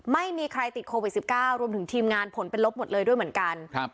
ไม่มีใครติดโควิด๑๙รวมถึงทีมงานผลเป็นลบหมดเลยด้วยเหมือนกัน